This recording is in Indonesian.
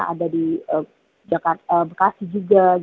ada di bekasi juga